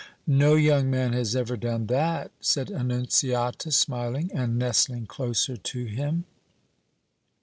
"No young man has ever done that," said Annunziata, smiling and nestling closer to him.